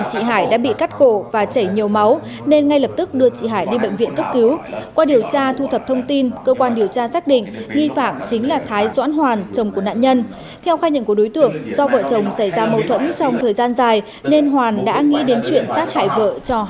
các bạn hãy đăng ký kênh để ủng hộ kênh của chúng mình nhé